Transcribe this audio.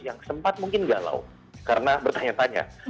yang sempat mungkin galau karena bertanya tanya